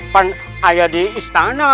kan ada di istana